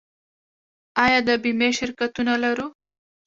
آیا د بیمې شرکتونه لرو؟